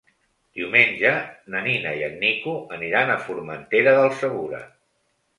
Diumenge na Nina i en Nico aniran a Formentera del Segura.